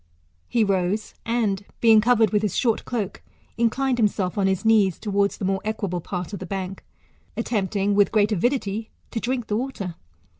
He rose, and, being covered with his short cloke, inclined himself on his knees towards the more equable part of the bank, attempting, with great avidity, to drink the water.